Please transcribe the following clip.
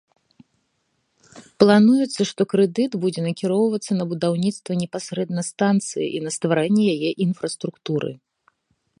Плануецца, што крэдыт будзе накіроўвацца на будаўніцтва непасрэдна станцыі і на стварэнне яе інфраструктуры.